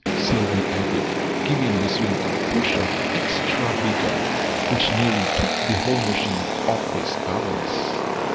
Sylvie added, giving the swing a push of extra vigour, which nearly took the whole machine off its balance.